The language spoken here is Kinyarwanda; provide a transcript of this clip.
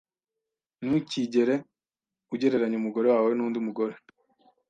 Ntukigere ugereranya umugore wawe nundi mugore.